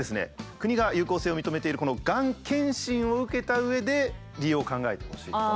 国が有効性を認めているがん検診を受けた上で利用を考えてほしいと。